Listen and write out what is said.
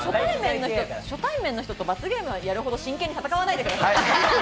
初対面の人と罰ゲームやるほど真剣に戦わないでください。